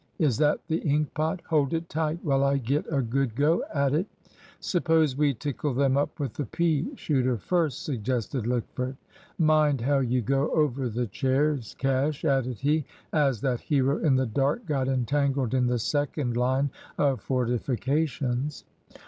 Is that the ink pot? Hold it tight while I get a good go at it." "Suppose we tickle them up with the pea shooter first," suggested Lickford. "Mind how you go over the chairs, Cash," added he, as that hero in the dark got entangled in the second line of fortifications.